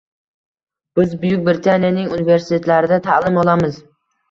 Biz Buyuk Britaniyaning universitetlarida taʼlim olamiz